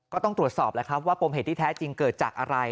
ก็ต้องตรวจสอบแล้วครับว่าปมเหตุที่แท้จริงเกิดจากอะไร